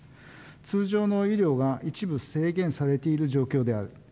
通常の医療が一部制限されている状況である。